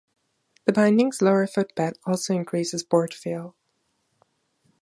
The binding's lower foot bed also increases board feel.